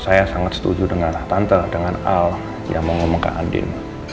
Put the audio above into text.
saya sangat setuju dengan tante dengan al yang mau ngomong ke andin